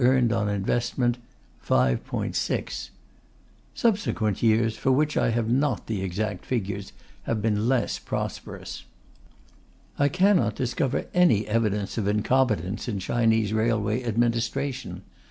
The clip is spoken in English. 6 Subsequent years, for which I have not the exact figures, have been less prosperous. I cannot discover any evidence of incompetence in Chinese railway administration.